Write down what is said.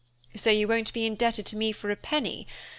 "So you won't be indebted to me for a penny?